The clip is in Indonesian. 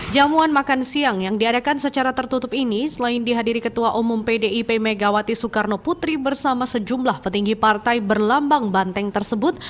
jamuan makan siang yang diadakan secara tertutup ini selain dihadiri ketua umum pdip megawati soekarno putri bersama sejumlah petinggi partai berlambang banteng tersebut